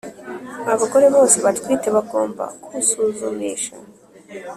Abagore bose batwite bagomba kwusuzumisha